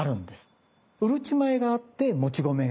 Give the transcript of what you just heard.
うるち米があってもち米がある。